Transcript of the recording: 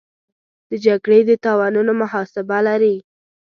د جګړې د تاوانونو محاسبه لري.